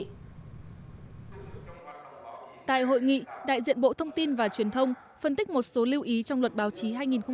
tại hội nghị đại diện bộ thông tin và truyền thông phân tích một số lưu ý trong luật báo chí